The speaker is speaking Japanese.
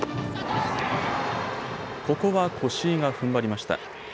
ここは越井がふんばりました。